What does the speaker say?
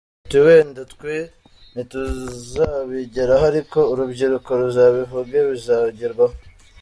Ati “Wenda twe ntituzabigeraho ariko urubyiruko ruzabivuge bizagerwaho.